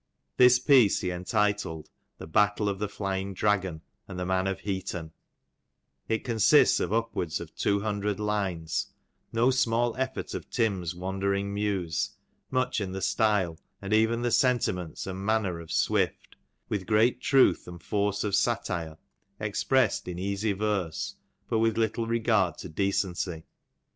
This piece he entitled, " The Battle of the Flying Dragon and the Man of Heaton,'' it consists of upwards of two hundred lines, no small effort of Tim's wandering muse, much in the style, and even the sentiments and manner of Swift, with great truth and force of satire, expressed in easy verse, but with little regard to decency.